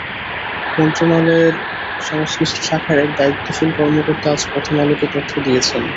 মন্ত্রণালয়ের সংশ্লিষ্ট শাখার এক দায়িত্বশীল কর্মকর্তা আজ প্রথম আলোকে তথ্য জানিয়েছেন।